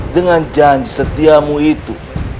dengan janji setiamu itu